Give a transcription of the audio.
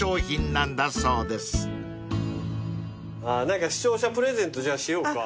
何か視聴者プレゼントじゃあしようか。